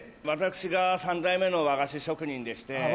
私が３代目の和菓子職人でして。